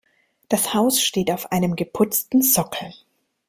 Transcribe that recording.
Das Haus steht auf einem geputzten Sockel.